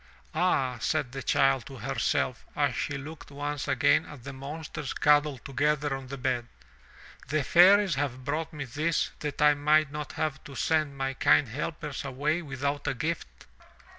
"Ah," said the child to herself as she looked once again at the monsters cuddled together on the bed. "The fairies have brought me this that I might not have to send my kind helpers away without a gift.